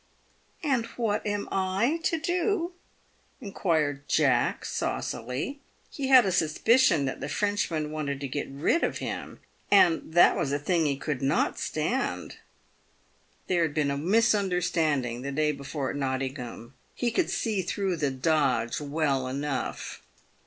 " And what am I to do ?" inquired Jack, saucily. He had a suspi cion that the Frenchman wanted to get rid of him, and that was a thing he would not stand. There had been a misunderstanding the day before at Nottingham. He could see through " the dodge" well enough.